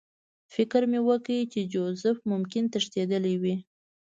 فکر مې وکړ چې جوزف ممکن تښتېدلی وي